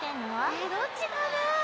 えどっちかなぁ。